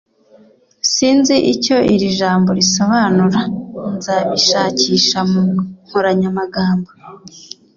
sinzi icyo iri jambo risobanura. nzabishakisha mu nkoranyamagambo